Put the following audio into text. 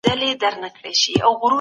ښار پاک وساتئ.